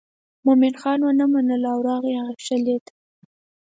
مومن خان ونه منله او راغی هغې شېلې ته.